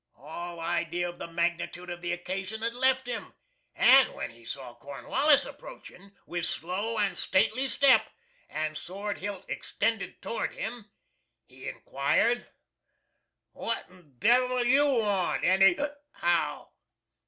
All idea of the magnitude of the occasion had left him, and when he saw Cornwallis approaching, with slow and stately step, and sword hilt extended toward him, he inquired, "What'n devil YOU want, any (hic) how!"